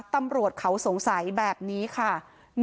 ตำรวจเขาสงสัยแบบนี้ค่ะ